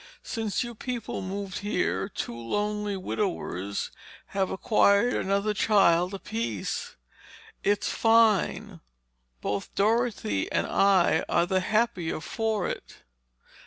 Since you people moved here two lonely widowers have acquired another child apiece. It's fine—both Dorothy and I are the happier for it."